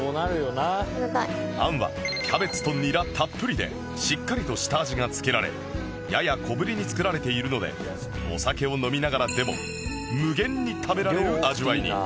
あんはキャベツとニラたっぷりでしっかりと下味がつけられやや小ぶりに作られているのでお酒を飲みながらでも無限に食べられる味わいに